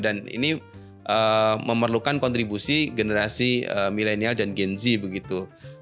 ini memerlukan kontribusi generasi milenial dan gen z begitu